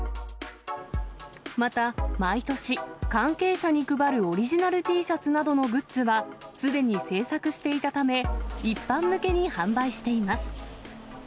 また、毎年、関係者に配るオリジナルＴシャツなどのグッズは、すでに製作していたため、一般向けに販売しています。